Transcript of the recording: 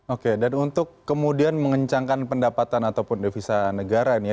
oke dan untuk kemudian mengencangkan pendapatan ataupun devisa negara ini ya